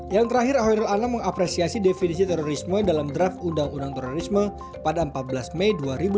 yang terakhir khairul anam mengapresiasi definisi terorisme dalam draft undang undang terorisme pada empat belas mei dua ribu delapan belas